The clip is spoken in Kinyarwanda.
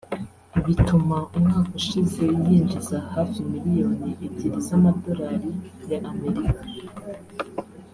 bituma umwaka ushize yinjiza hafi miliyoni ebyiri z’amadorali ya Amerika